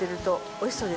おいしそう。